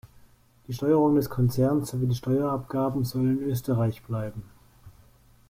Die Steuerung des Konzerns sowie die Steuerabgaben sollen in Österreich bleiben.